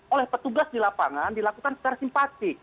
oleh petugas di lapangan dilakukan secara simpatik